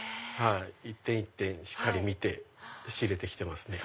一点一点しっかり見て仕入れて来てますね。